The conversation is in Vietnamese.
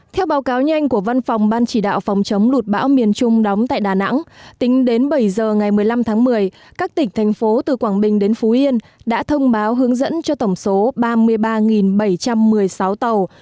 theo báo cáo nhanh của văn phòng ban chỉ đạo phòng chống lụt bão miền trung đóng tại đà nẵng tính đến bảy giờ ngày một mươi năm tháng một mươi các tỉnh thành phố từ quảng bình đến phú yên đã thông báo hướng dẫn cho tổng số ba mươi ba bảy trăm một mươi sáu tàu